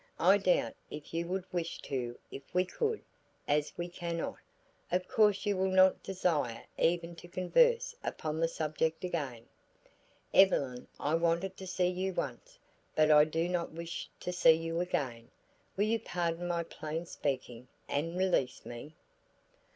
I doubt if you would wish to if we could; as we cannot, of course you will not desire even to converse upon the subject again. Evelyn I wanted to see you once, but I do not wish to see you again; will you pardon my plain speaking, and release me?"